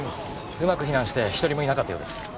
うまく避難して一人もいなかったようです。